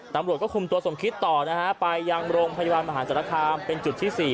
ตำรวจก็คุมตัวสมคิดต่อนะฮะไปยังโรงพยาบาลมหาศาลคามเป็นจุดที่๔